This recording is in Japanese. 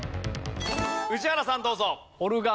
宇治原さんどうぞ。